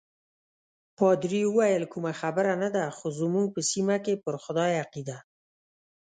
پادري وویل: کومه خبره نه ده، خو زموږ په سیمه کې پر خدای عقیده.